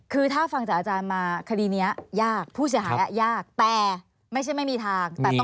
คือถ้าฟังจากอาจารย์มา